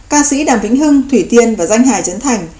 ca sĩ đàm vĩnh hưng thủy tiên và danh hà trấn thành